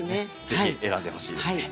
是非選んでほしいですね。